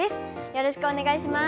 よろしくお願いします。